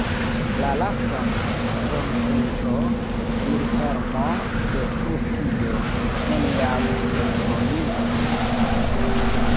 La lasta kronprinco, Vilhelmo de Prusio, neniam surtroniĝis.